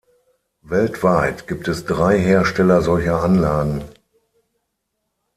Weltweit gibt es drei Hersteller solcher Anlagen.